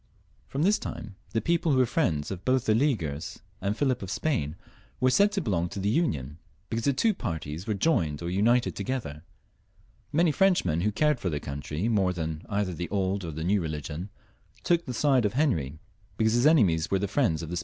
From this time, the people who were friends both of the Leaguers and of Philip of Spain were said to belong to the Union, because the two parties were joined or united together. Many Frenchmen, who cared for their country more than for either the old or the new religion, took the side of Henry, because his enemies were the friends of the 298 HENRY IV, [CH.